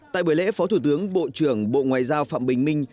tại buổi lễ phó thủ tướng bộ trưởng bộ ngoại giao phạm bình minh